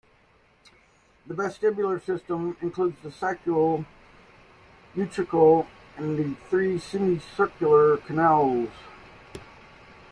The vestibular system includes the saccule, utricle, and the three semicircular canals.